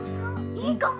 いいかも！